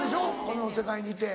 この世界にいて。